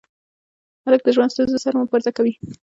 هلک د ژوند ستونزو سره مبارزه کوي.